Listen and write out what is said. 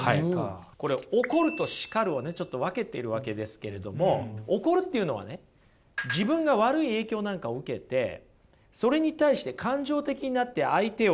これ怒ると叱るをねちょっと分けているわけですけれども怒るっていうのはね自分が悪い影響なんかを受けてそれに対して感情的になって相手を責めることですよね？